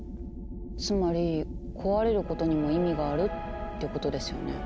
つまり壊れることにも意味があるってことですよね。